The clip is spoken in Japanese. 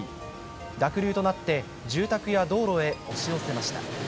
濁流となって、住宅や道路へ押し寄せました。